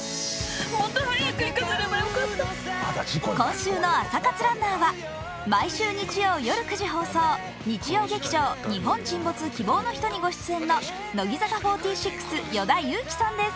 今週の朝活ランナーは毎週日曜夜９時放送、日曜劇場「日本沈没−希望のひと−」にご出演の乃木坂４６、与田祐希さんです。